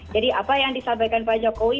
jadi apa yang disampaikan pak jokowi